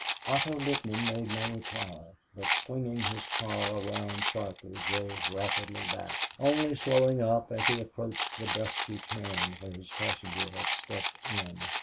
Otto Littman made no reply, but, swinging his car around sharply, drove rapidly back, only slowing up as he approached the dusky turn where his passenger had stepped in.